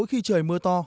mỗi khi trời mưa to